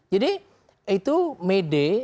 jadi itu mede